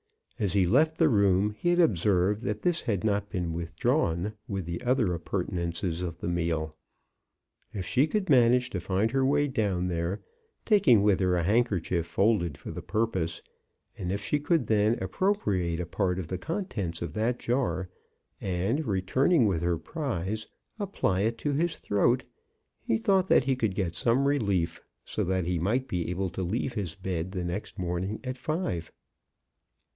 As he left the room he had ob served that this had not been withdrawn with the other appurtenances of the meal. If she could manage to find her way down there, tak ing with her a handkerchief folded for the pur pose, and if she could then appropriate a part of the contents of that jar, and, returning with her prize, apply it to his throat, he thought that he could get some relief, so that he might be able to leave his bed the next morning at five.